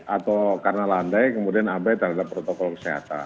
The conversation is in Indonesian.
atau karena landai kemudian abai terhadap protokol kesehatan